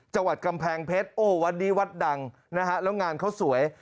จังหวัดกำแพงเพชรโอ้วัดนี้วัดดังนะฮะแล้วงานเขาสวย